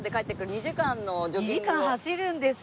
２時間走るんですって。